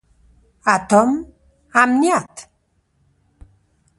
اتم: امنیت.